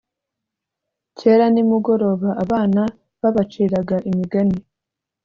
kera ni mugoroba abana babaciraga imigani